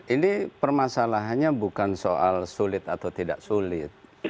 ini permasalahannya bukan soal sulit atau tidak sulit